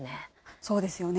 そうですよね。